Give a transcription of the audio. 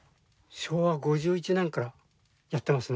昭和５１年からやってますので。